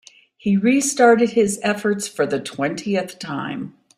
He restarted his efforts for the twentieth time.